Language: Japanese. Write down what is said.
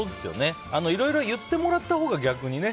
いろいろ言ってもらったほうが、逆にね。